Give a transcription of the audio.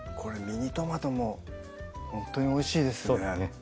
ミニトマトもほんとにおいしいですね